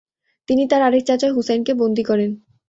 তিনি তার আরেক চাচা হুসাইনকে বন্দী করেন।